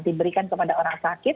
diberikan kepada orang sakit